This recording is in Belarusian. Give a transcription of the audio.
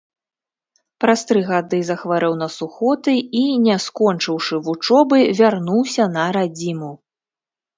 Праз тры гады захварэў на сухоты і, не скончыўшы вучобы, вярнуўся на радзіму.